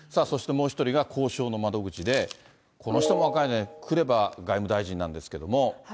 そしてもう１人が交渉の窓口で、この人も若いね、クレバ外務大臣なんですけども。